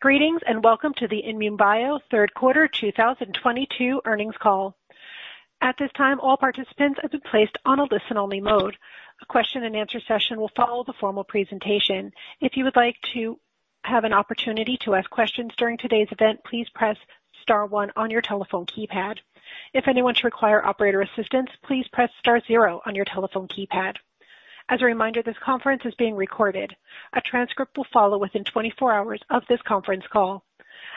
Greetings, and welcome to the INmune Bio third quarter 2022 earnings call. At this time, all participants have been placed on a listen-only mode. A question and answer session will follow the formal presentation. If you would like to have an opportunity to ask questions during today's event, please press star one on your telephone keypad. If anyone should require operator assistance, please press star zero on your telephone keypad. As a reminder, this conference is being recorded. A transcript will follow within 24 hours of this conference call.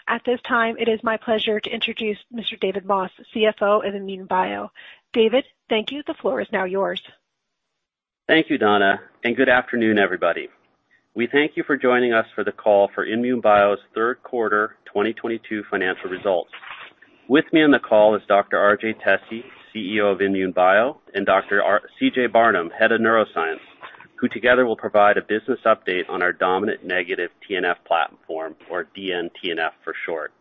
At this time, it is my pleasure to introduce Mr. David Moss, CFO at INmune Bio. David, thank you. The floor is now yours. Thank you, Donna, and good afternoon, everybody. We thank you for joining us for the call for INmune Bio's third quarter 2022 financial results. With me on the call is Dr. R.J. Tesi, CEO of INmune Bio, and Dr. C.J. Barnum, Head of Neuroscience, who together will provide a business update on our dominant negative TNF platform, or dnTNF for short.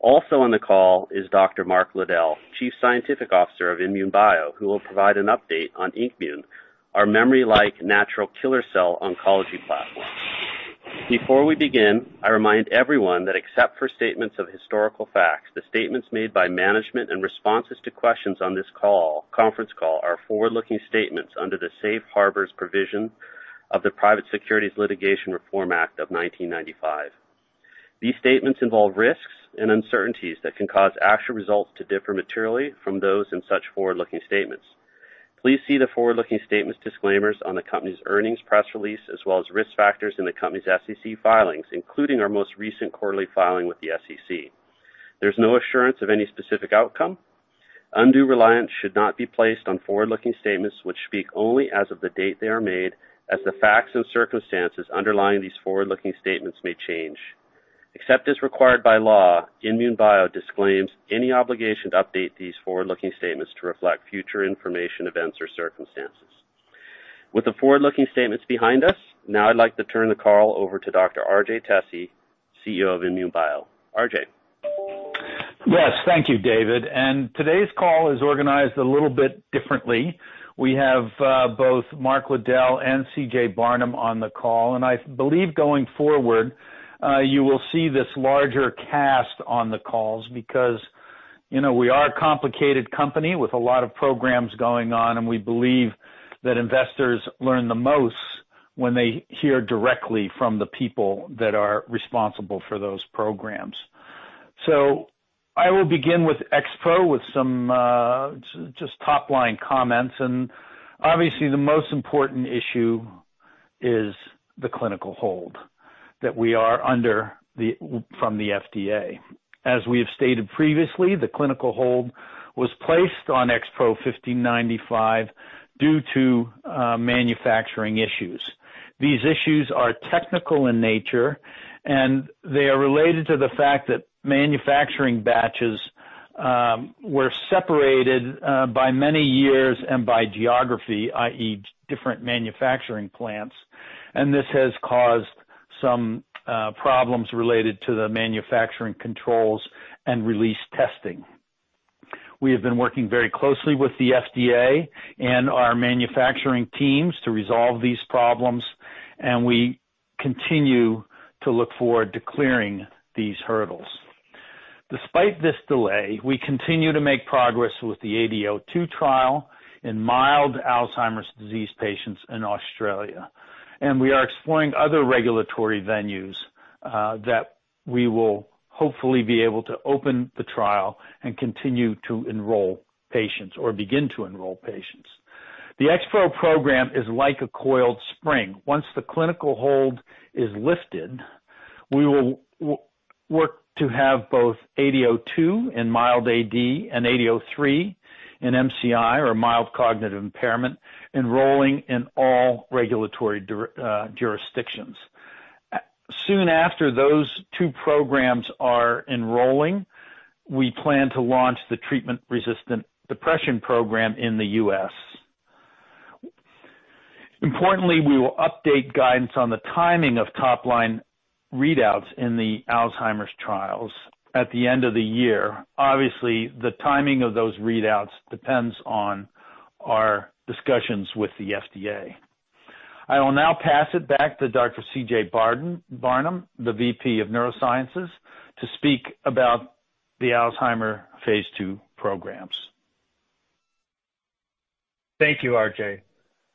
Also on the call is Dr. Mark Lowdell, Chief Scientific Officer of INmune Bio, who will provide an update on INKmune, our memory-like natural killer cell oncology platform. Before we begin, I remind everyone that except for statements of historical facts, the statements made by management and responses to questions on this conference call are forward-looking statements under the safe harbors provision of the Private Securities Litigation Reform Act of 1995. These statements involve risks and uncertainties that can cause actual results to differ materially from those in such forward-looking statements. Please see the forward-looking statements disclaimers on the company's earnings press release, as well as risk factors in the company's SEC filings, including our most recent quarterly filing with the SEC. There's no assurance of any specific outcome. Undue reliance should not be placed on forward-looking statements, which speak only as of the date they are made, as the facts and circumstances underlying these forward-looking statements may change. Except as required by law, INmune Bio disclaims any obligation to update these forward-looking statements to reflect future information, events or circumstances. With the forward-looking statements behind us, now I'd like to turn the call over to Dr. R.J. Tesi, CEO of INmune Bio. R.J. Yes, thank you, David. Today's call is organized a little bit differently. We have both Mark Lowdell and C.J. Barnum on the call, and I believe going forward you will see this larger cast on the calls because, you know, we are a complicated company with a lot of programs going on, and we believe that investors learn the most when they hear directly from the people that are responsible for those programs. I will begin with XPro1595 with some just top-line comments. Obviously the most important issue is the clinical hold that we are under from the FDA. As we have stated previously, the clinical hold was placed on XPro1595 fifteen ninety-five due to manufacturing issues. These issues are technical in nature, and they are related to the fact that manufacturing batches were separated by many years and by geography, i.e., different manufacturing plants, and this has caused some problems related to the manufacturing controls and release testing. We have been working very closely with the FDA and our manufacturing teams to resolve these problems, and we continue to look forward to clearing these hurdles. Despite this delay, we continue to make progress with the AD-02 trial in mild Alzheimer's disease patients in Australia. We are exploring other regulatory venues that we will hopefully be able to open the trial and continue to enroll patients or begin to enroll patients. The XPro1595 program is like a coiled spring. Once the clinical hold is lifted, we will work to have both AD-02 in mild AD and AD-03 in MCI, or mild cognitive impairment, enrolling in all regulatory jurisdictions. Soon after those two programs are enrolling, we plan to launch the treatment-resistant depression program in the U.S. Importantly, we will update guidance on the timing of top-line readouts in the Alzheimer's trials at the end of the year. Obviously, the timing of those readouts depends on our discussions with the FDA. I will now pass it back to Dr. C.J. Barnum, the VP of Neurosciences, to speak about the Alzheimer's Phase II programs. Thank you, R.J.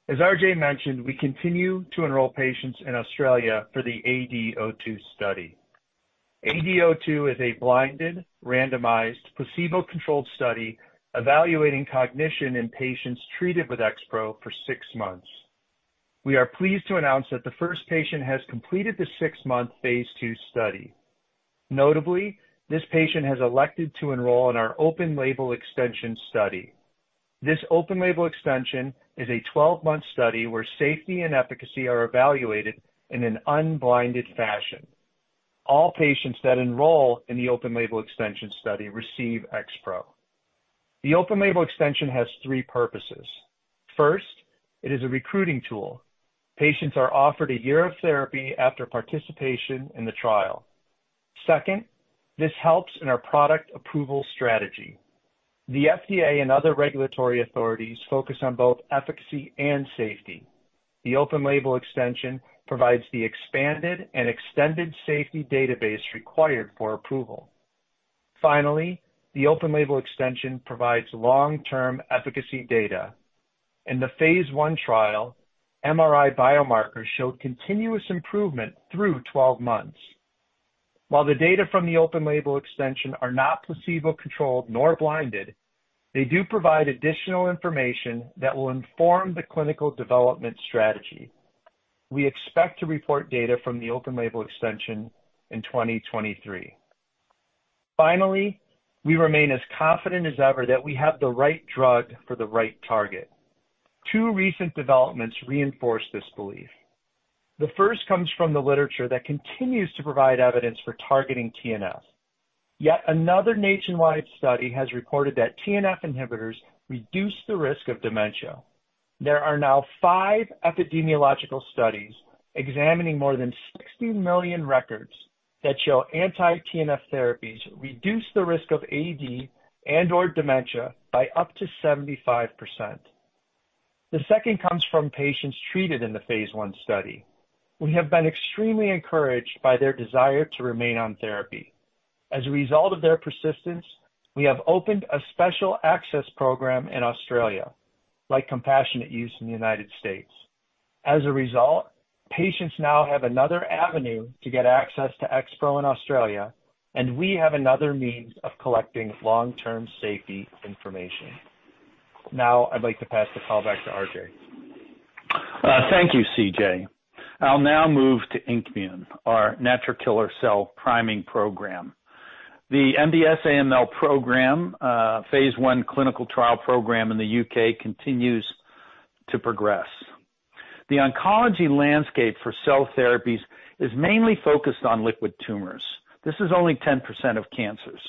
As R.J. mentioned, we continue to enroll patients in Australia for the AD-02 study. AD-02 is a blinded, randomized, placebo-controlled study evaluating cognition in patients treated with XPro1595 for six months. We are pleased to announce that the first patient has completed the six-month phase II study. Notably, this patient has elected to enroll in our open-label extension study. This open label extension is a 12-month study where safety and efficacy are evaluated in an unblinded fashion. All patients that enroll in the open label extension study receive XPro1595. The open label extension has three purposes. First, it is a recruiting tool. Patients are offered a year of therapy after participation in the trial. Second, this helps in our product approval strategy. The FDA and other regulatory authorities focus on both efficacy and safety. The open label extension provides the expanded and extended safety database required for approval. Finally, the open label extension provides long-term efficacy data. In the phase 1 trial, MRI biomarkers showed continuous improvement through 12 months. While the data from the open label extension are not placebo-controlled nor blinded, they do provide additional information that will inform the clinical development strategy. We expect to report data from the open label extension in 2023. Finally, we remain as confident as ever that we have the right drug for the right target. Two recent developments reinforce this belief. The first comes from the literature that continues to provide evidence for targeting TNF. Yet another nationwide study has reported that TNF inhibitors reduce the risk of dementia. There are now five epidemiological studies examining more than 60 million records that show anti-TNF therapies reduce the risk of AD and/or dementia by up to 75%. The second comes from patients treated in the phase 1 study. We have been extremely encouraged by their desire to remain on therapy. As a result of their persistence, we have opened a Special Access Scheme in Australia, like compassionate use in the United States. As a result, patients now have another avenue to get access to XPro in Australia, and we have another means of collecting long-term safety information. Now, I'd like to pass the call back to R.J. Thank you, C.J. I'll now move to INKmune, our natural killer cell priming program. The MDS AML program, phase 1 clinical trial program in the UK continues to progress. The oncology landscape for cell therapies is mainly focused on liquid tumors. This is only 10% of cancers.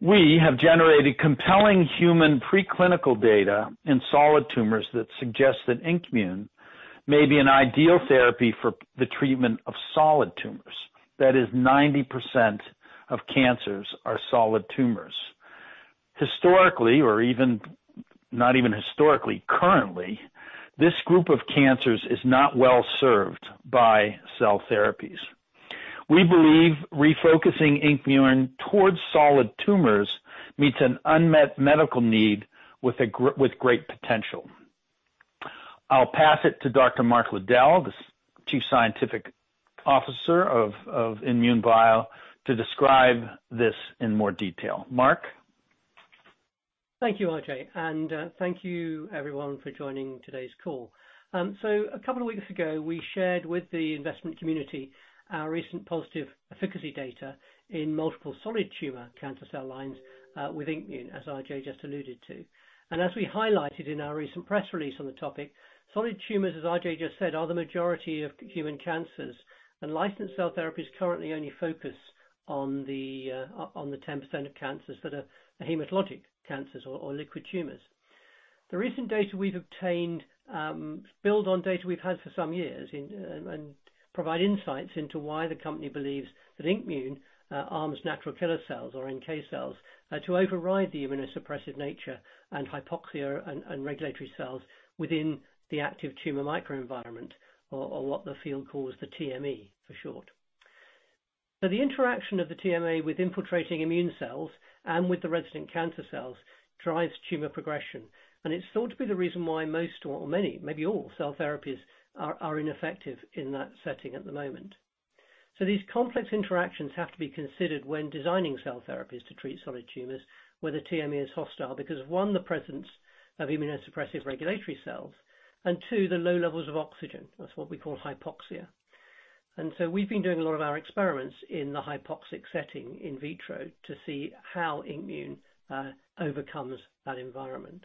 We have generated compelling human preclinical data in solid tumors that suggest that INKmune may be an ideal therapy for the treatment of solid tumors. That is 90% of cancers are solid tumors. Historically, or even not even historically, currently, this group of cancers is not well-served by cell therapies. We believe refocusing INKmune towards solid tumors meets an unmet medical need with great potential. I'll pass it to Dr. Mark Lowdell, the Chief Scientific Officer of INmune Bio, to describe this in more detail. Mark? Thank you, R.J. Thank you everyone for joining today's call. A couple of weeks ago, we shared with the investment community our recent positive efficacy data in multiple solid tumor cancer cell lines with INKmune, as R.J. just alluded to. As we highlighted in our recent press release on the topic, solid tumors, as R.J. just said, are the majority of human cancers, and licensed cell therapies currently only focus on the 10% of cancers that are the hematologic cancers or liquid tumors. The recent data we've obtained build on data we've had for some years and provide insights into why the company believes that INKmune arms natural killer cells or NK cells to override the immunosuppressive nature and hypoxia and regulatory cells within the active tumor microenvironment or what the field calls the TME for short. The interaction of the TME with infiltrating immune cells and with the resident cancer cells drives tumor progression, and it's thought to be the reason why most or many, maybe all cell therapies are ineffective in that setting at the moment. These complex interactions have to be considered when designing cell therapies to treat solid tumors where the TME is hostile because, one, the presence of immunosuppressive regulatory cells, and two, the low levels of oxygen. That's what we call hypoxia. We've been doing a lot of our experiments in the hypoxic setting in vitro to see how INKmune overcomes that environment.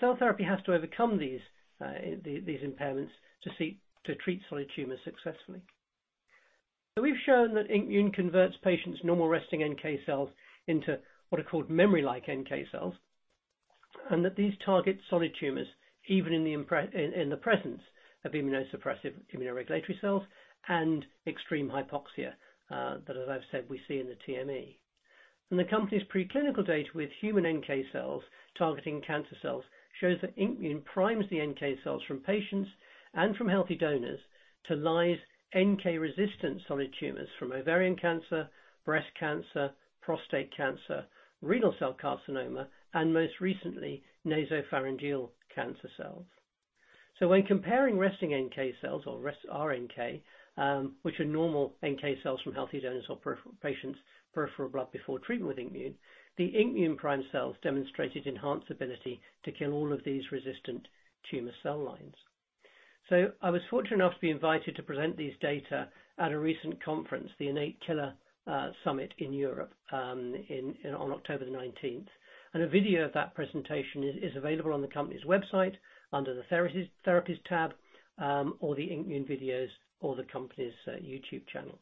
Cell therapy has to overcome these impairments to seek to treat solid tumors successfully. We've shown that INKmune converts patients' normal resting NK cells into what are called memory-like NK cells, and that these target solid tumors, even in the presence of immunosuppressive immunoregulatory cells and extreme hypoxia that as I've said, we see in the TME. The company's preclinical data with human NK cells targeting cancer cells shows that INKmune primes the NK cells from patients and from healthy donors to lyse NK-resistant solid tumors from ovarian cancer, breast cancer, prostate cancer, renal cell carcinoma, and most recently, nasopharyngeal cancer cells. When comparing resting NK cells or rest rNK, which are normal NK cells from healthy donors or patients' peripheral blood before treatment with INKmune, the INKmune prime cells demonstrated enhanced ability to kill all of these resistant tumor cell lines. I was fortunate enough to be invited to present these data at a recent conference, the Innate Killer Summit in Europe, on October the nineteenth. A video of that presentation is available on the company's website under the therapies tab, or the INKmune videos or the company's YouTube channel.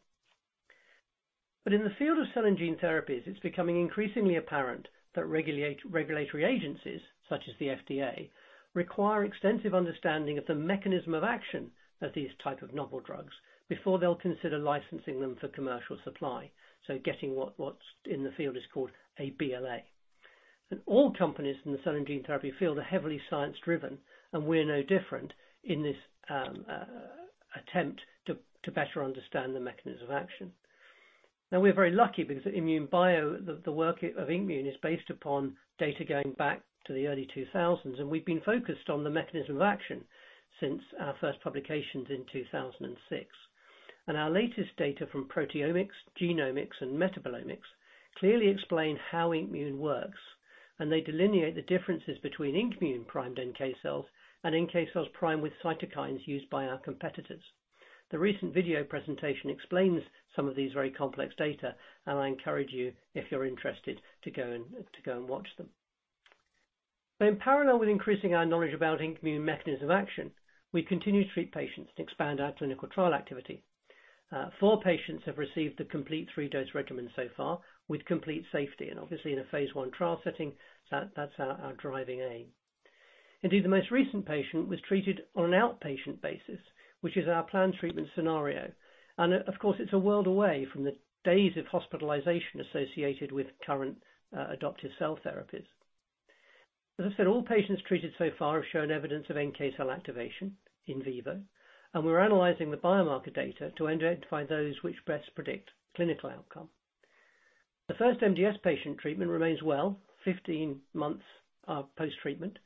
In the field of cell and gene therapies, it's becoming increasingly apparent that regulatory agencies, such as the FDA, require extensive understanding of the mechanism of action of these type of novel drugs before they'll consider licensing them for commercial supply. Getting what's in the field is called a BLA. All companies in the cell and gene therapy field are heavily science driven, and we're no different in this attempt to better understand the mechanism of action. Now, we're very lucky because at INmune Bio, the work of INKmune is based upon data going back to the early 2000s, and we've been focused on the mechanism of action since our first publications in 2006. Our latest data from proteomics, genomics, and metabolomics clearly explain how INKmune works, and they delineate the differences between INKmune-primed NK cells and NK cells primed with cytokines used by our competitors. The recent video presentation explains some of these very complex data, and I encourage you, if you're interested, to go and watch them. In parallel with increasing our knowledge about INmune mechanism of action, we continue to treat patients to expand our clinical trial activity. Four patients have received the complete three-dose regimen so far with complete safety, and obviously in a phase one trial setting, that's our driving aim. Indeed, the most recent patient was treated on an outpatient basis, which is our planned treatment scenario. Of course, it's a world away from the days of hospitalization associated with current adoptive cell therapies. As I said, all patients treated so far have shown evidence of NK cell activation in vivo, and we're analyzing the biomarker data to identify those which best predict clinical outcome. The first MDS patient treatment remains well 15 months post-treatment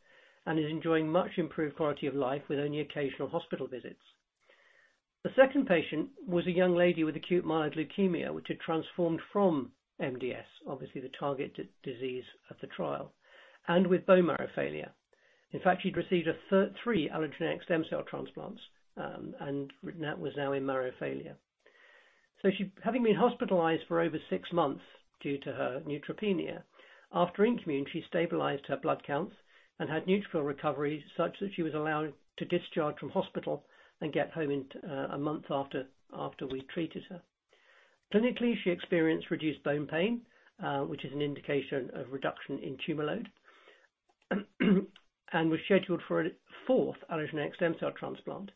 and is enjoying much improved quality of life with only occasional hospital visits. The second patient was a young lady with acute myeloid leukemia, which had transformed from MDS, obviously the target disease of the trial, and with bone marrow failure. In fact, she'd received three allogeneic stem cell transplants and was now in marrow failure. She having been hospitalized for over six months due to her neutropenia, after INKmune, she stabilized her blood counts and had neutrophil recoveries such that she was allowed to discharge from hospital and get home in a month after we treated her. Clinically, she experienced reduced bone pain, which is an indication of reduction in tumor load, and was scheduled for a fourth allogeneic stem cell transplant.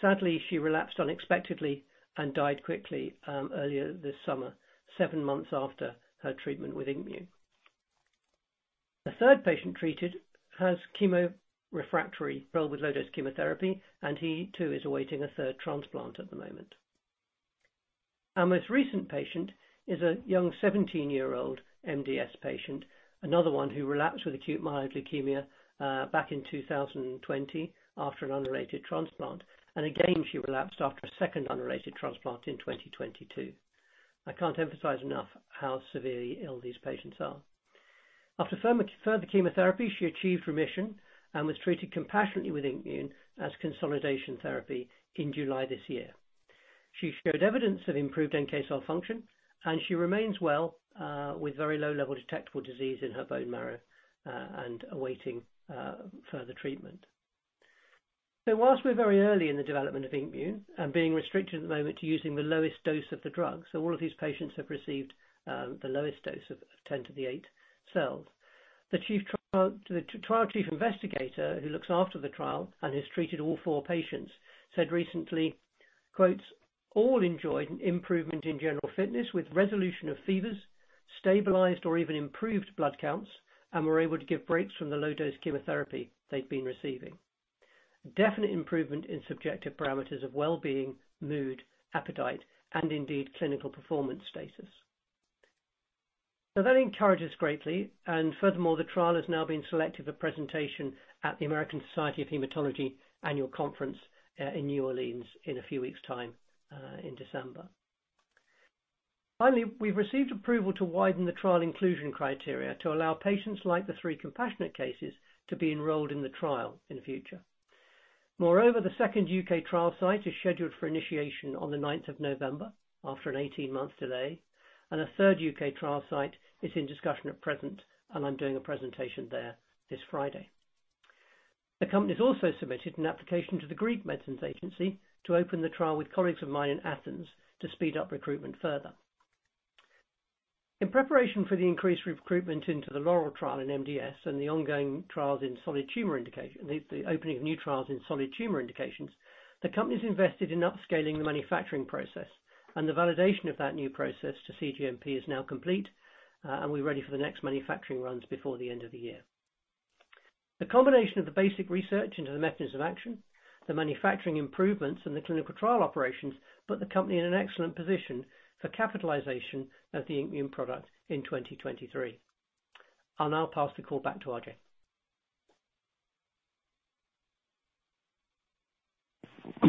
Sadly, she relapsed unexpectedly and died quickly earlier this summer, seven months after her treatment with INKmune. The third patient treated has chemo-refractory, well with low-dose chemotherapy, and he too is awaiting a third transplant at the moment. Our most recent patient is a young 17-year-old MDS patient, another one who relapsed with acute myeloid leukemia back in 2020 after an unrelated transplant. She relapsed after a second unrelated transplant in 2022. I can't emphasize enough how severely ill these patients are. After further chemotherapy, she achieved remission and was treated compassionately with INKmune as consolidation therapy in July this year. She showed evidence of improved NK cell function, and she remains well with very low level detectable disease in her bone marrow and awaiting further treatment. While we're very early in the development of INKmune and being restricted at the moment to using the lowest dose of the drug, all of these patients have received the lowest dose of 10^8 cells. The trial chief investigator who looks after the trial and has treated all four patients said recently, quote, "All enjoyed an improvement in general fitness with resolution of fevers, stabilized or even improved blood counts, and were able to give breaks from the low-dose chemotherapy they'd been receiving. Definite improvement in subjective parameters of wellbeing, mood, appetite, and indeed clinical performance status." That encourages greatly, and furthermore, the trial has now been selected for presentation at the American Society of Hematology Annual Conference in New Orleans in a few weeks' time in December. Finally, we've received approval to widen the trial inclusion criteria to allow patients like the three compassionate cases to be enrolled in the trial in the future. Moreover, the second U.K. trial site is scheduled for initiation on the ninth of November after an 18-month delay, and a third U.K. trial site is in discussion at present, and I'm doing a presentation there this Friday. The company's also submitted an application to the National Organization for Medicines to open the trial with colleagues of mine in Athens to speed up recruitment further. In preparation for the increased recruitment into the Laurel trial in MDS and the ongoing trials in solid tumor indication. The opening of new trials in solid tumor indications, the company's invested in upscaling the manufacturing process, and the validation of that new process to cGMP is now complete, and we're ready for the next manufacturing runs before the end of the year. The combination of the basic research into the mechanisms of action, the manufacturing improvements, and the clinical trial operations put the company in an excellent position for capitalization of the INmune product in 2023. I'll now pass the call back to R.J.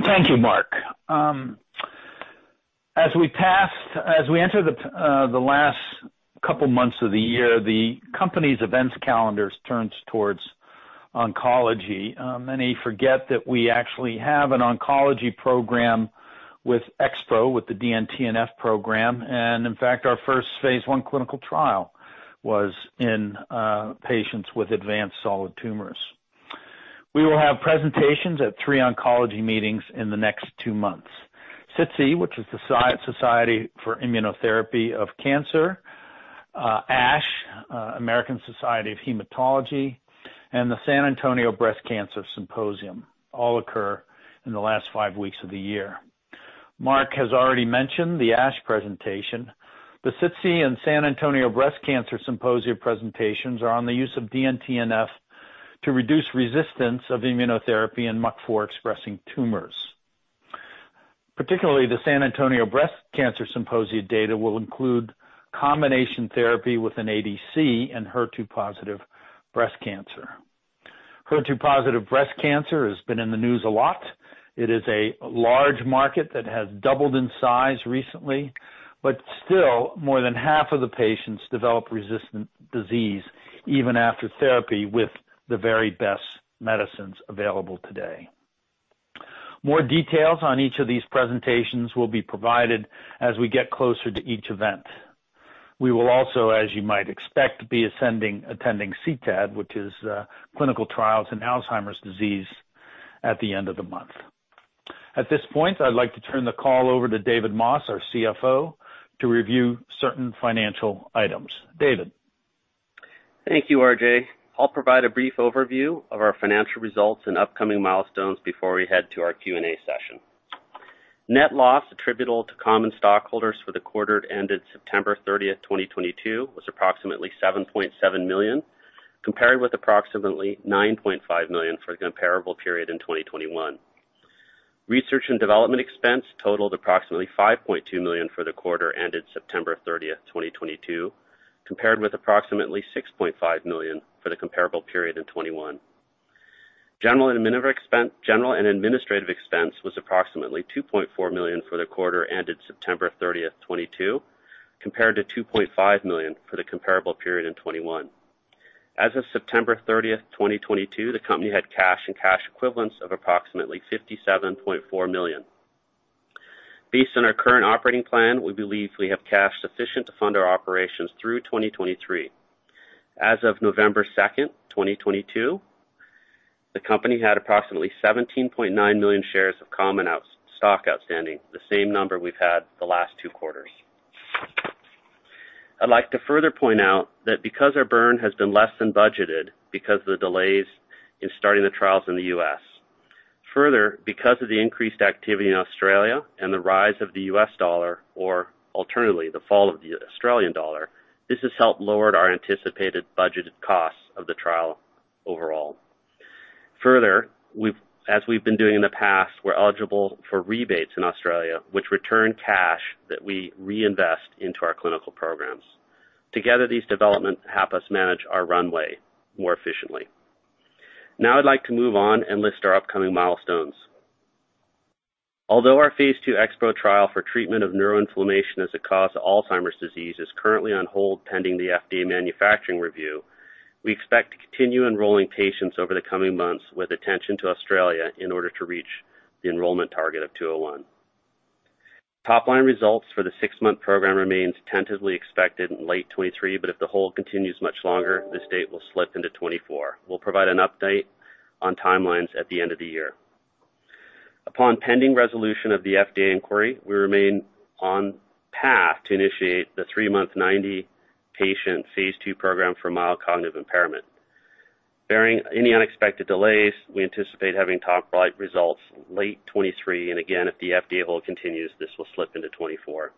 Thank you, Mark. As we enter the last couple months of the year, the company's events calendar turns towards oncology. Many forget that we actually have an oncology program with XPro, with the dnTNF program, and in fact, our first phase I clinical trial was in patients with advanced solid tumors. We will have presentations at 3 oncology meetings in the next 2 months. SITC, which is the Society for Immunotherapy of Cancer, ASH, American Society of Hematology, and the San Antonio Breast Cancer Symposium all occur in the last 5 weeks of the year. Mark has already mentioned the ASH presentation. The SITC and San Antonio Breast Cancer Symposium presentations are on the use of dnTNF to reduce resistance of immunotherapy in MUC4-expressing tumors. Particularly, the San Antonio Breast Cancer Symposium data will include combination therapy with an ADC in HER2-positive breast cancer. HER2-positive breast cancer has been in the news a lot. It is a large market that has doubled in size recently, but still more than half of the patients develop resistant disease even after therapy with the very best medicines available today. More details on each of these presentations will be provided as we get closer to each event. We will also, as you might expect, be attending CTAD, which is Clinical Trials on Alzheimer's Disease, at the end of the month. At this point, I'd like to turn the call over to David Moss, our CFO, to review certain financial items. David? Thank you, R.J. I'll provide a brief overview of our financial results and upcoming milestones before we head to our Q&A session. Net loss attributable to common stockholders for the quarter that ended September 30, 2022 was approximately $7.7 million, compared with approximately $9.5 million for the comparable period in 2021. Research and development expense totaled approximately $5.2 million for the quarter ended September 30, 2022, compared with approximately $6.5 million for the comparable period in 2021. General and administrative expense was approximately $2.4 million for the quarter ended September 30, 2022, compared to $2.5 million for the comparable period in 2021. As of September 30, 2022, the company had cash and cash equivalents of approximately $57.4 million. Based on our current operating plan, we believe we have cash sufficient to fund our operations through 2023. As of November 2, 2022, the company had approximately 17.9 million shares of common stock outstanding, the same number we've had the last two quarters. I'd like to further point out that because our burn has been less than budgeted because of the delays in starting the trials in the US, further, because of the increased activity in Australia and the rise of the US dollar, or alternatively, the fall of the Australian dollar, this has helped lower our anticipated budgeted costs of the trial overall. Further, as we've been doing in the past, we're eligible for rebates in Australia, which return cash that we reinvest into our clinical programs. Together, these developments help us manage our runway more efficiently. Now I'd like to move on and list our upcoming milestones. Although our phase 2 XPro trial for treatment of neuroinflammation as a cause of Alzheimer's disease is currently on hold pending the FDA manufacturing review, we expect to continue enrolling patients over the coming months with attention to Australia in order to reach the enrollment target of 201. Top-line results for the six-month program remains tentatively expected in late 2023, but if the hold continues much longer, this date will slip into 2024. We'll provide an update on timelines at the end of the year. Upon pending resolution of the FDA inquiry, we remain on track to initiate the three-month, 90-patient phase 2 program for mild cognitive impairment. Barring any unexpected delays, we anticipate having top-line results late 2023, and again, if the FDA hold continues, this will slip into 2024.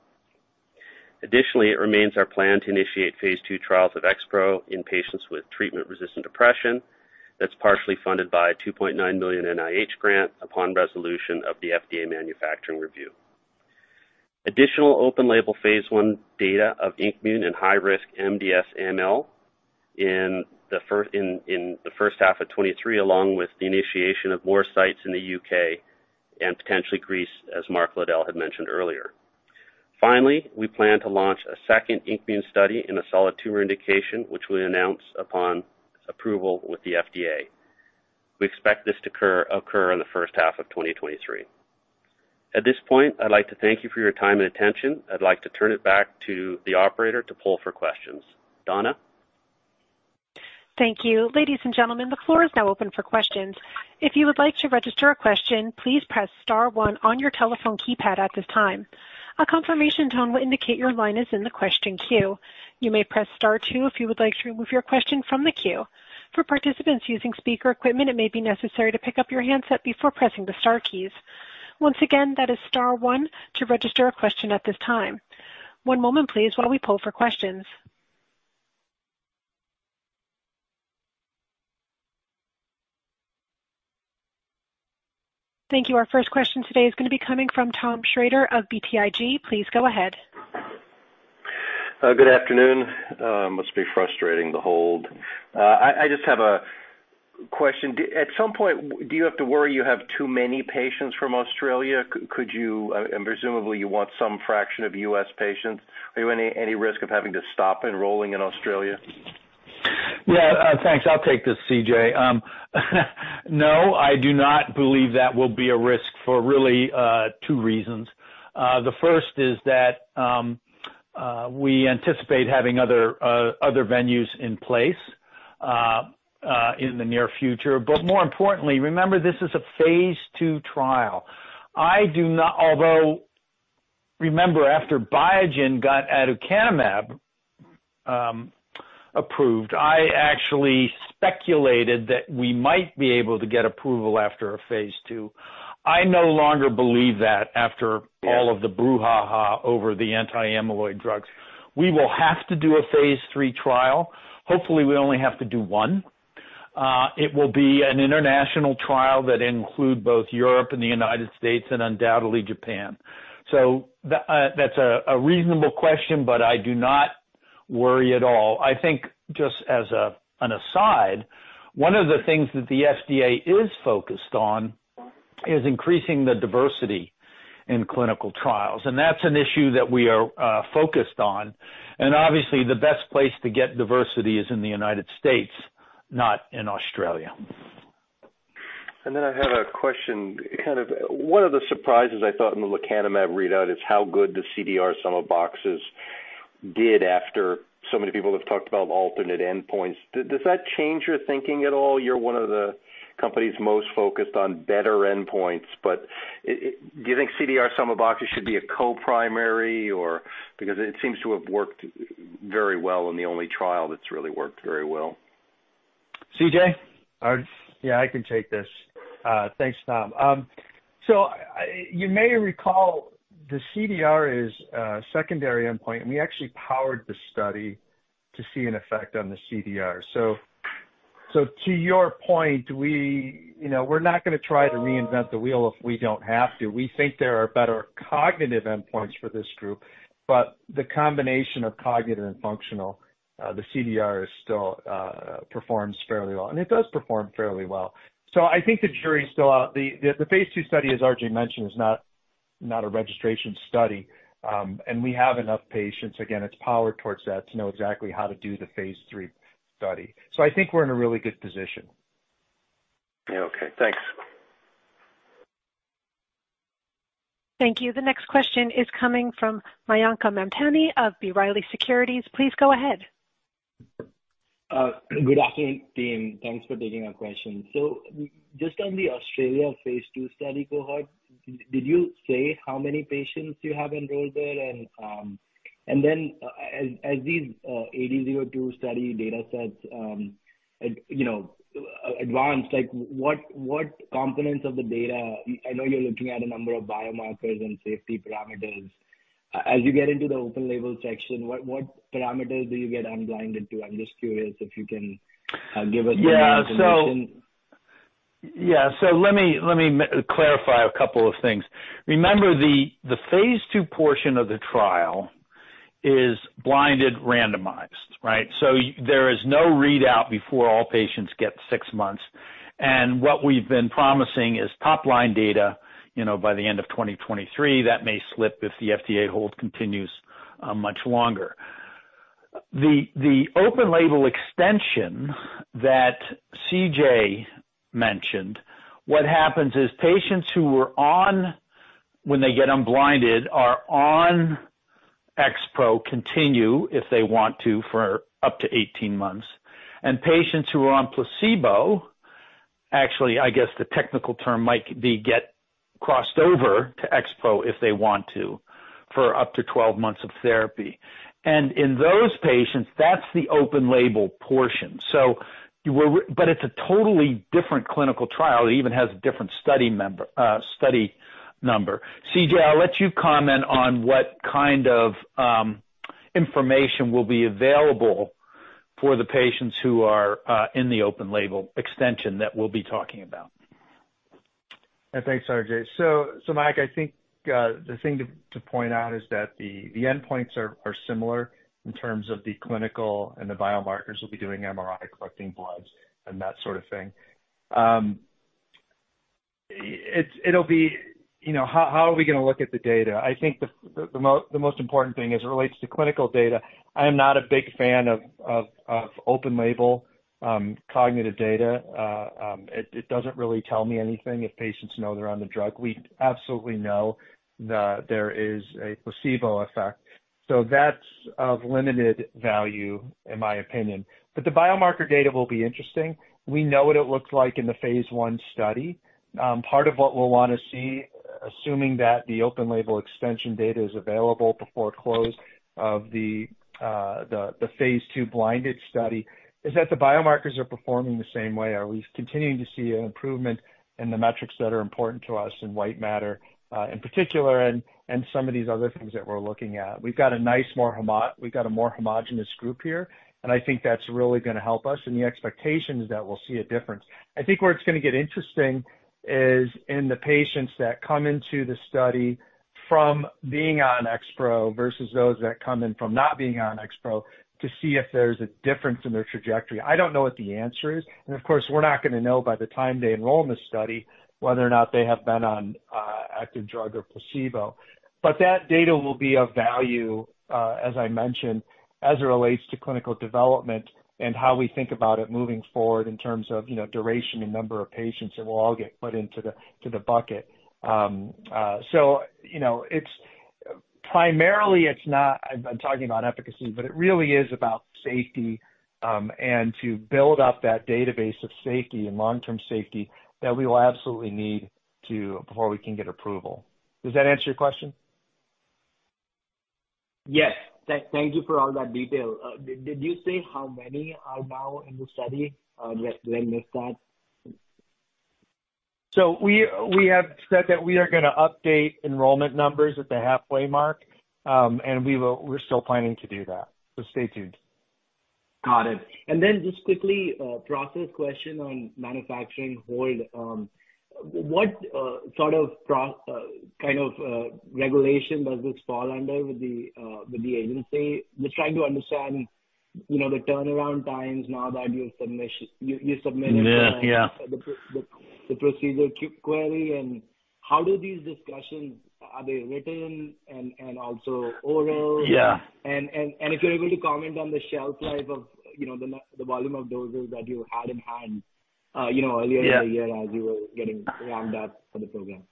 It remains our plan to initiate phase 2 trials of XPro in patients with treatment-resistant depression that's partially funded by a $2.9 million NIH grant upon resolution of the FDA manufacturing review. Additional open label phase 1 data of INKmune in high-risk MDS/AML in the first half of 2023, along with the initiation of more sites in the U.K. and potentially Greece, as Mark Lowdell had mentioned earlier. We plan to launch a second INKmune study in a solid tumor indication, which we'll announce upon approval with the FDA. We expect this to occur in the first half of 2023. At this point, I'd like to thank you for your time and attention. I'd like to turn it back to the operator to poll for questions. Donna? Thank you. Ladies and gentlemen, the floor is now open for questions. If you would like to register a question, please press star one on your telephone keypad at this time. A confirmation tone will indicate your line is in the question queue. You may press star two if you would like to remove your question from the queue. For participants using speaker equipment, it may be necessary to pick up your handset before pressing the star keys. Once again, that is star one to register a question at this time. One moment please while we poll for questions. Thank you. Our first question today is gonna be coming from Tom Shrader of BTIG. Please go ahead. Good afternoon. Must be frustrating, the hold. I just have a question. At some point, do you have to worry you have too many patients from Australia? Could you, and presumably you want some fraction of U.S. patients. Are you at any risk of having to stop enrolling in Australia? Yeah. Thanks. I'll take this, C.J. No, I do not believe that will be a risk for really two reasons. The first is that we anticipate having other venues in place in the near future. More importantly, remember this is a phase 2 trial. Although, remember after Biogen got aducanumab. Approved. I actually speculated that we might be able to get approval after a phase 2. I no longer believe that after. Yes. All of the brouhaha over the anti-amyloid drugs. We will have to do a phase three trial. Hopefully, we only have to do one. It will be an international trial that include both Europe and the United States and undoubtedly Japan. That's a reasonable question, but I do not worry at all. I think just as an aside, one of the things that the FDA is focused on is increasing the diversity in clinical trials, and that's an issue that we are focused on. Obviously the best place to get diversity is in the United States, not in Australia. I have a question, kind of, one of the surprises I thought in the lecanemab readout is how good the CDR-Sum of Boxes did after so many people have talked about alternate endpoints. Does that change your thinking at all? You're one of the companies most focused on better endpoints, but do you think CDR-Sum of Boxes should be a co-primary or because it seems to have worked very well in the only trial that's really worked very well. CJ? Yeah, I can take this. Thanks, Tom. You may recall the CDR is a secondary endpoint, and we actually powered the study to see an effect on the CDR. To your point, we, you know, we're not gonna try to reinvent the wheel if we don't have to. We think there are better cognitive endpoints for this group. The combination of cognitive and functional, the CDR is still performs fairly well, and it does perform fairly well. I think the jury is still out. The phase 2 study, as R.J. mentioned, is not a registration study. We have enough patients, again, it's powered towards that, to know exactly how to do the phase 3 study. I think we're in a really good position. Okay, thanks. Thank you. The next question is coming from Mayank Mamtani of B. Riley Securities. Please go ahead. Good afternoon, team. Thanks for taking our question. Just on the Australia phase 2 study cohort, did you say how many patients you have enrolled there? Then as these AD-02 study data sets, you know, advance, like what components of the data. I know you're looking at a number of biomarkers and safety parameters. As you get into the open label section, what parameters do you get unblinded to? I'm just curious if you can give us more information. Yeah. Let me clarify a couple of things. Remember, the phase 2 portion of the trial is blinded, randomized, right? There is no readout before all patients get 6 months. What we've been promising is top-line data, you know, by the end of 2023. That may slip if the FDA hold continues much longer. The open label extension that C.J. mentioned, what happens is patients who were on when they get unblinded are on XPro continue if they want to, for up to 18 months. Patients who are on placebo, actually, I guess the technical term might be get crossed over to XPro if they want to, for up to 12 months of therapy. In those patients, that's the open label portion. But it's a totally different clinical trial. It even has a different study member, study number. C.J., I'll let you comment on what kind of information will be available for the patients who are in the open label extension that we'll be talking about. Thanks, R.J. Mayank, I think the thing to point out is that the endpoints are similar in terms of the clinical and the biomarkers. We'll be doing MRI, collecting bloods and that sort of thing. It'll be, you know, how are we gonna look at the data? I think the most important thing as it relates to clinical data, I am not a big fan of open label cognitive data. It doesn't really tell me anything if patients know they're on the drug. We absolutely know that there is a placebo effect, so that's of limited value in my opinion. The biomarker data will be interesting. We know what it looks like in the phase 1 study. Part of what we'll wanna see, assuming that the open label extension data is available before close of the phase two blinded study, is that the biomarkers are performing the same way. Are we continuing to see an improvement in the metrics that are important to us in white matter, in particular and some of these other things that we're looking at? We've got a more homogenous group here, and I think that's really gonna help us. The expectation is that we'll see a difference. I think where it's gonna get interesting is in the patients that come into the study from being on XPro versus those that come in from not being on XPro to see if there's a difference in their trajectory. I don't know what the answer is. Of course, we're not gonna know by the time they enroll in the study whether or not they have been on active drug or placebo. That data will be of value, as I mentioned, as it relates to clinical development and how we think about it moving forward in terms of, you know, duration and number of patients, and will all get put into the bucket. You know, it's primarily not. I'm talking about efficacy, but it really is about safety, and to build up that database of safety and long-term safety that we will absolutely need. Before we can get approval. Does that answer your question? Yes. Thank you for all that detail. Did you say how many are now in the study, when this starts? We have said that we are gonna update enrollment numbers at the halfway mark, and we will. We're still planning to do that. Stay tuned. Got it. Just quickly, process question on manufacturing hold. What sort of kind of regulation does this fall under with the agency? Just trying to understand, you know, the turnaround times now that you've submitted. Yeah. The procedure query, and how do these discussions? Are they written and also oral? Yeah. if you're able to comment on the shelf life of, you know, the volume of doses that you had in hand, you know? Yeah. Earlier in the year as you were getting ramped up for the program.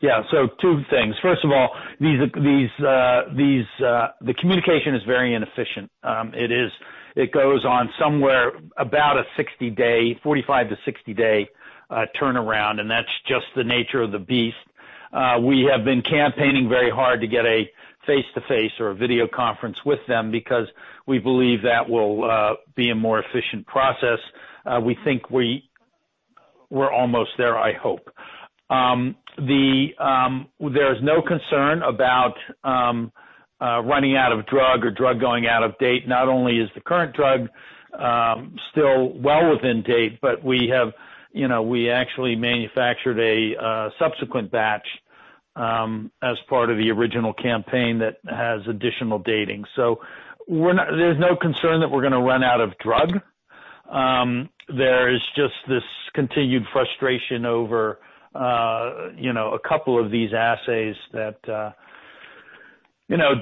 Yeah. Two things. First of all, the communication is very inefficient. It goes on somewhere about a 60-day, 45- to 60-day turnaround, and that's just the nature of the beast. We have been campaigning very hard to get a face-to-face or a video conference with them because we believe that will be a more efficient process. We think we're almost there, I hope. There's no concern about running out of drug or drug going out of date. Not only is the current drug still well within date, but we have, you know, we actually manufactured a subsequent batch as part of the original campaign that has additional dating. We're not... there's no concern that we're gonna run out of drug. There is just this continued frustration over, you know, a couple of these assays that, you know,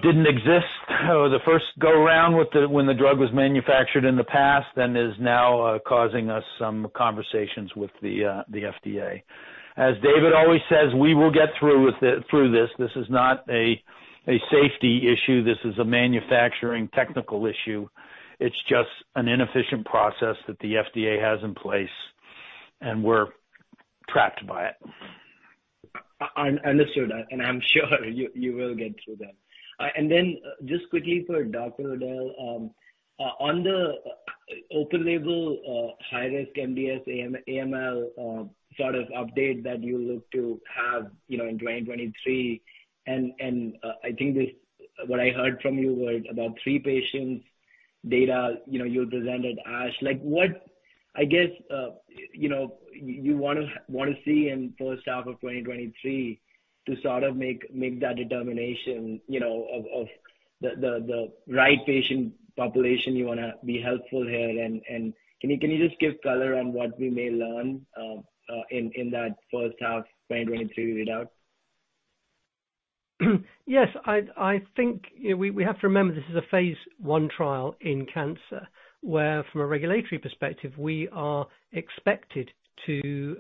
didn't exist the first go-around with the when the drug was manufactured in the past and is now causing us some conversations with the FDA. As David always says, we will get through with it, through this. This is not a safety issue. This is a manufacturing technical issue. It's just an inefficient process that the FDA has in place, and we're trapped by it. Understood. I'm sure you will get through that. Then just quickly for Dr. Lowdell, on the open label, high-risk MDS/AML sort of update that you look to have, you know, in 2023, I think this, what I heard from you was about 3 patients' data, you know, you presented ASH. Like, what, I guess, you know, you wanna see in first half of 2023 to sort of make that determination, you know, of the right patient population you wanna be helpful here and can you just give color on what we may learn in that first half 2023 read out? Yes. I think, you know, we have to remember this is a phase 1 trial in cancer, where from a regulatory perspective, we are expected to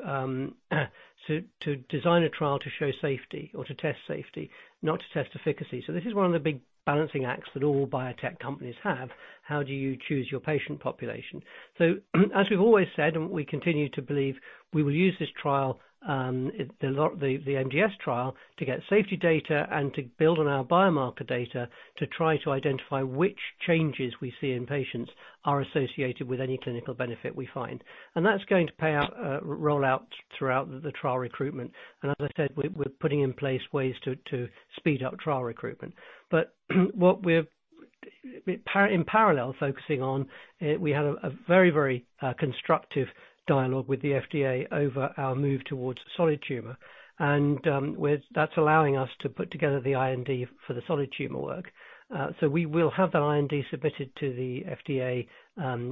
design a trial to show safety or to test safety, not to test efficacy. This is one of the big balancing acts that all biotech companies have. How do you choose your patient population? As we've always said, and we continue to believe, we will use this trial, the MDS trial to get safety data and to build on our biomarker data to try to identify which changes we see in patients are associated with any clinical benefit we find. That's going to play out, roll out throughout the trial recruitment. As I said, we're putting in place ways to speed up trial recruitment. What we're focusing on in parallel, we had a very constructive dialogue with the FDA over our move towards solid tumor that's allowing us to put together the IND for the solid tumor work. We will have that IND submitted to the FDA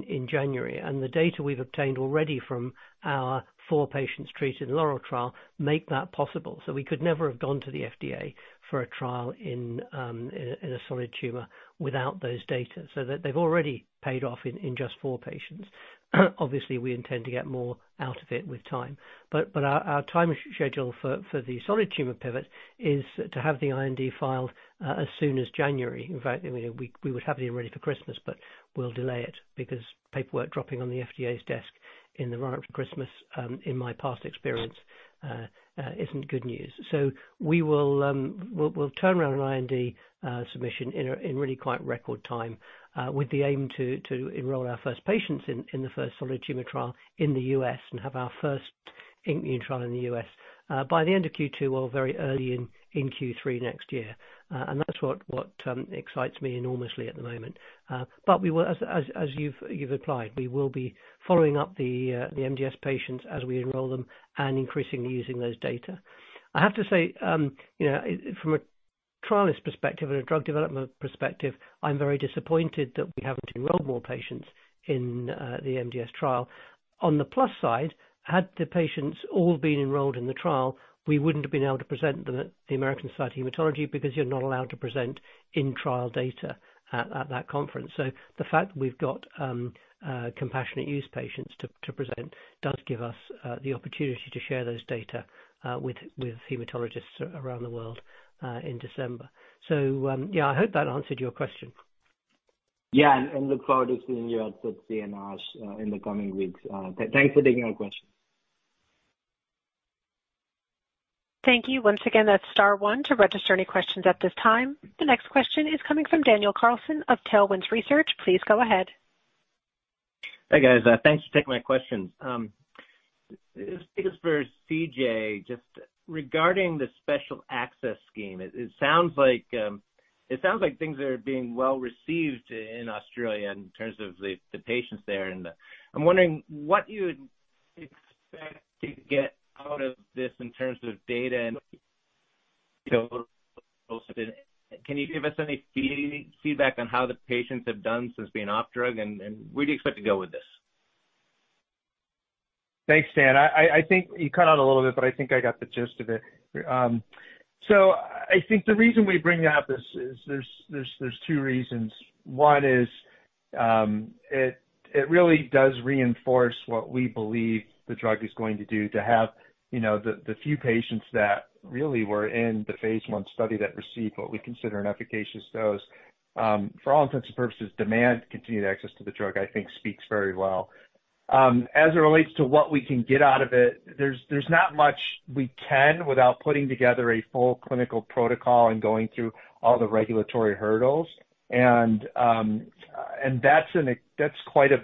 in January. The data we've obtained already from our four patients treated in Laurel trial make that possible. We could never have gone to the FDA for a trial in a solid tumor without those data. That they've already paid off in just four patients. Obviously, we intend to get more out of it with time. Our time schedule for the solid tumor pivot is to have the IND filed as soon as January. In fact, I mean, we would have it ready for Christmas, but we'll delay it because paperwork dropping on the FDA's desk in the run up to Christmas, in my past experience, isn't good news. We'll turn around an IND submission in really quite record time, with the aim to enroll our first patients in the first solid tumor trial in the U.S. and have our first immune trial in the U.S. by the end of Q2 or very early in Q3 next year. That's what excites me enormously at the moment. We will, as you've applied, be following up the MDS patients as we enroll them and increasingly using those data. I have to say, you know, from a trialist perspective and a drug development perspective, I'm very disappointed that we haven't enrolled more patients in the MDS trial. On the plus side, had the patients all been enrolled in the trial, we wouldn't have been able to present them at the American Society of Hematology because you're not allowed to present in trial data at that conference. The fact that we've got compassionate use patients to present does give us the opportunity to share those data with hematologists around the world in December. Yeah, I hope that answered your question. Look forward to seeing you at ASH in the coming weeks. Thanks for taking our question. Thank you. Once again, that's star one to register any questions at this time. The next question is coming from Daniel Carlson of Tailwind Research. Please go ahead. Hey, guys. Thanks for taking my questions. This is for C.J. Just regarding the Special Access Scheme, it sounds like things are being well received in Australia in terms of the patients there. I'm wondering what you would expect to get out of this in terms of data and, you know, can you give us any feedback on how the patients have done since being off drug? Where do you expect to go with this? Thanks, Dan. I think you cut out a little bit, but I think I got the gist of it. I think the reason we bring up this is there's two reasons. One is, it really does reinforce what we believe the drug is going to do to have, you know, the few patients that really were in the phase one study that received what we consider an efficacious dose, for all intents and purposes, demand continued access to the drug, I think speaks very well. As it relates to what we can get out of it, there's not much we can without putting together a full clinical protocol and going through all the regulatory hurdles. And that's quite a.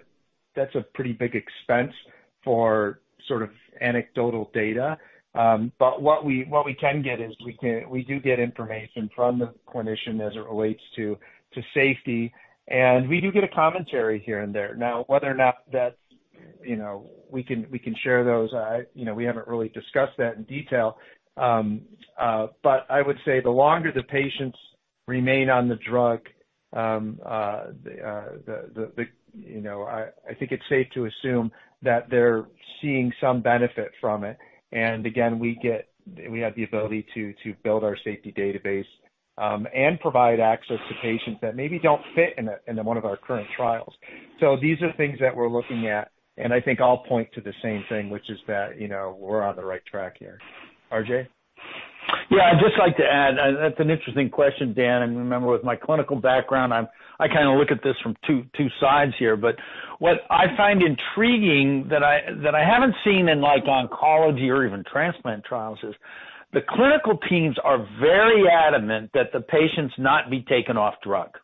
That's a pretty big expense for sort of anecdotal data. What we can get is we do get information from the clinician as it relates to safety, and we do get a commentary here and there. Now, whether or not that's, you know, we can share those, you know, we haven't really discussed that in detail. I would say the longer the patients remain on the drug, the you know, I think it's safe to assume that they're seeing some benefit from it. Again, we have the ability to build our safety database, and provide access to patients that maybe don't fit in one of our current trials. These are things that we're looking at, and I think I'll point to the same thing, which is that, you know, we're on the right track here. R.J.? Yeah, I'd just like to add, that's an interesting question, Dan. Remember, with my clinical background, I kinda look at this from two sides here. What I find intriguing that I haven't seen in like oncology or even transplant trials is the clinical teams are very adamant that the patients not be taken off drug.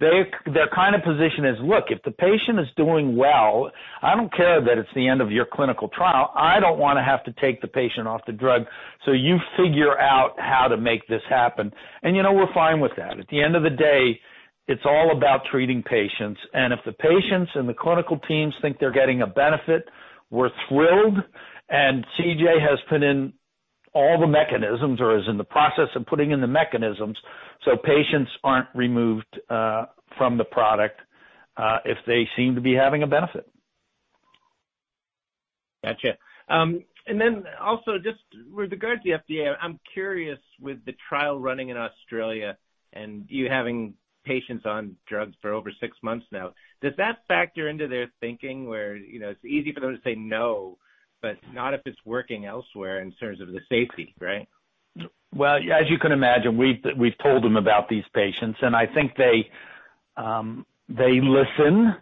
Their kind of position is, look, if the patient is doing well, I don't care that it's the end of your clinical trial. I don't wanna have to take the patient off the drug. You figure out how to make this happen. You know, we're fine with that. At the end of the day, it's all about treating patients. If the patients and the clinical teams think they're getting a benefit, we're thrilled. C.J. has put in all the mechanisms or is in the process of putting in the mechanisms so patients aren't removed from the product if they seem to be having a benefit. Gotcha. And then also just with regard to the FDA, I'm curious, with the trial running in Australia and you having patients on drugs for over six months now, does that factor into their thinking where, you know, it's easy for them to say no, but not if it's working elsewhere in terms of the safety, right? As you can imagine, we've told them about these patients, and I think they listen.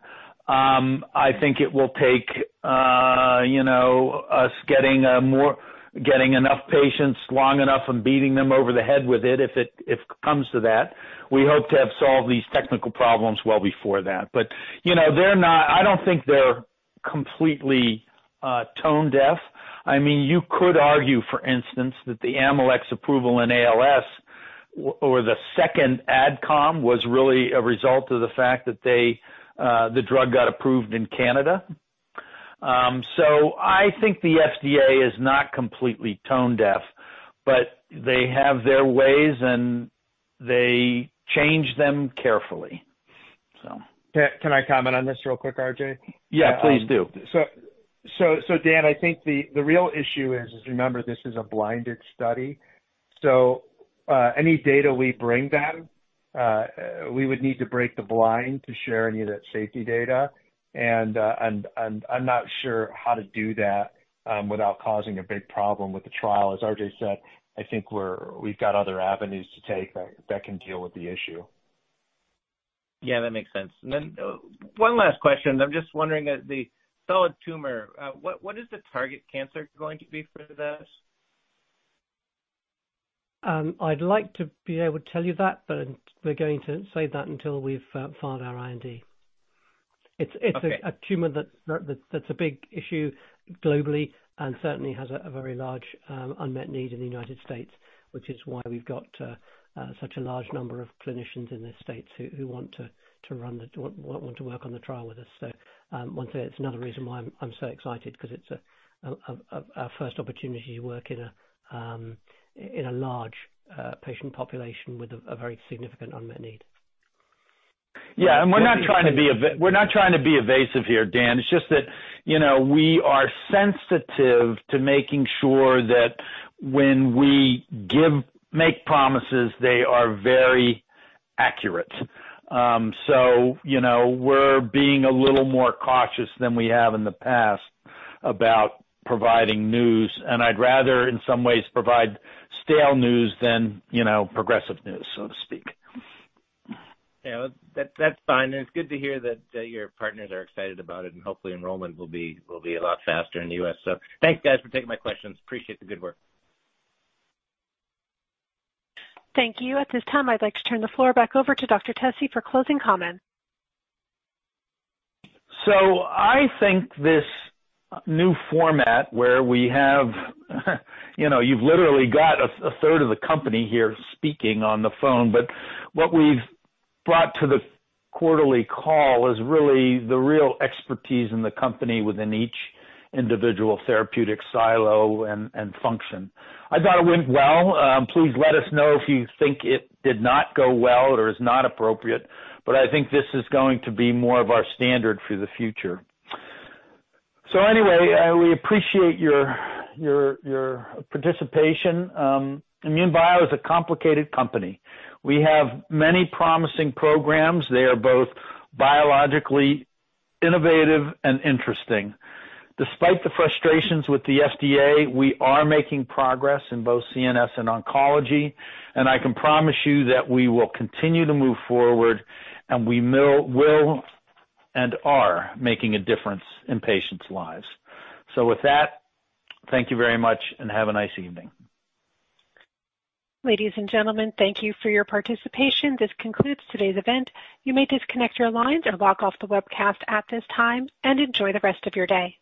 I think it will take, you know, us getting enough patients long enough and beating them over the head with it if it comes to that. We hope to have solved these technical problems well before that. You know, they're not. I don't think they're completely tone deaf. I mean, you could argue, for instance, that the AMX0035 approval in ALS or the second Adcom was really a result of the fact that they, the drug got approved in Canada. I think the FDA is not completely tone deaf, but they have their ways and they change them carefully. Can I comment on this real quick, R.J.? Yeah, please do. Dan, I think the real issue is, remember, this is a blinded study. Any data we bring them we would need to break the blind to share any of that safety data. I'm not sure how to do that without causing a big problem with the trial. As R.J. said, I think we've got other avenues to take that can deal with the issue. Yeah, that makes sense. One last question. I'm just wondering at the solid tumor, what is the target cancer going to be for this? I'd like to be able to tell you that, but we're going to save that until we've filed our IND. Okay. It's a tumor that's a big issue globally and certainly has a very large unmet need in the United States, which is why we've got such a large number of clinicians in the States who want to work on the trial with us. One thing, it's another reason why I'm so excited because it's a first opportunity to work in a large patient population with a very significant unmet need. Yeah. We're not trying to be evasive here, Dan. It's just that, you know, we are sensitive to making sure that when we make promises, they are very accurate. So, you know, we're being a little more cautious than we have in the past about providing news. I'd rather, in some ways, provide stale news than, you know, progressive news, so to speak. Yeah, that's fine. It's good to hear that your partners are excited about it, and hopefully enrollment will be a lot faster in the US. Thanks, guys, for taking my questions. Appreciate the good work. Thank you. At this time, I'd like to turn the floor back over to Dr. Tesi for closing comments. I think this new format where we have you know, you've literally got a third of the company here speaking on the phone, but what we've brought to the quarterly call is really the real expertise in the company within each individual therapeutic silo and function. I thought it went well. Please let us know if you think it did not go well or is not appropriate, but I think this is going to be more of our standard for the future. Anyway, we appreciate your participation. INmune Bio is a complicated company. We have many promising programs. They are both biologically innovative and interesting. Despite the frustrations with the FDA, we are making progress in both CNS and oncology, and I can promise you that we will continue to move forward, and we will and are making a difference in patients' lives. With that, thank you very much and have a nice evening. Ladies and gentlemen, thank you for your participation. This concludes today's event. You may disconnect your lines or log off the webcast at this time and enjoy the rest of your day.